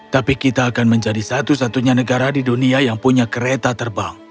tapi kita akan menjadi satu satunya negara di dunia yang punya kereta terbang